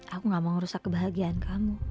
aku gak mau ngerusak kebahagiaan kamu